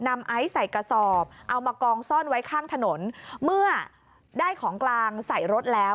มองซ่อนไว้ข้างถนนเมื่อได้ของกลางใส่รถแล้ว